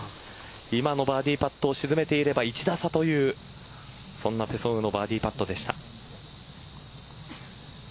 今のバーディーパットを沈めていれば１打差というそんなペ・ソンウのバーディーパットでした。